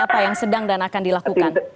apa yang sedang dan akan dilakukan